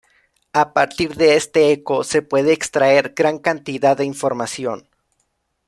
A partir de este "eco" se puede extraer gran cantidad de información.